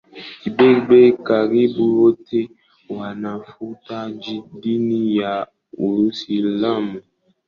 Kiberber karibu wote wanafuata dini ya Uislamu